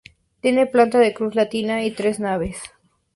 Tiene planta de cruz latina y tres naves.